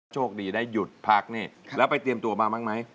โชคดีได้หยุดพักนี่แล้วไปเตรียมตัวมาบ้างไหม